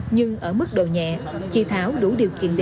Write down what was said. nhưng ở mức độ nhẹ chỉ tháo đủ điều kiện lợi